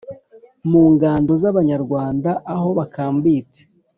mungando zabanyarwanda aho bakambitse